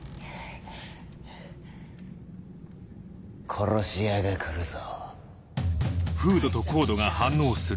殺し屋が来るぞ。